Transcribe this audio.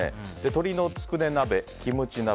鶏のつくね鍋、キムチ鍋